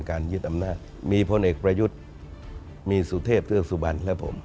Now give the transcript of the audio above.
ยึดอำนาจมีพลเอกประยุทธ์มีสุเทพเทือกสุบันและผม